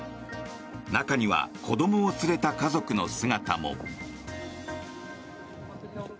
中には子どもを連れた家族の姿も。